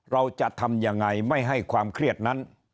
เราจะทำยังไงไม่ให้ความเครียดนั้น